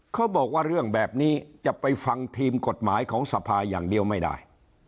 เขาบอกว่าเรื่องแบบนี้จะไปฟังทีมกฎหมายของสภาอย่างเดียวไม่ได้